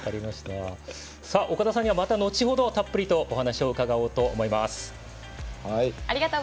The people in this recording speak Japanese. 岡田さんにはまた後程たっぷりとお話を伺おうと思います。